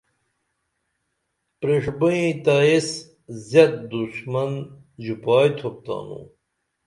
پریݜبئیں تہ ایس زیت دشمن ژوپائی تھوپ تانوں